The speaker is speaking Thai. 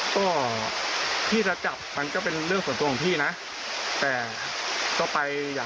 ผมไม่ได้ห้ามคุณจะเชื่อก็เรื่องของคุณนะครับ